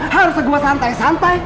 harus gue santai santai